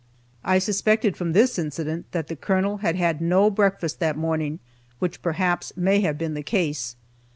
I suspected from this incident that the Colonel had had no breakfast that morning, which perhaps may have been the case.